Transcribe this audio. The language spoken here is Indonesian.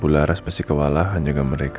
bu laras pasti kewalahan juga mereka